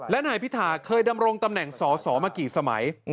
และนายพิธาเคยดำรงตำแหน่งสอสอมากี่สมัย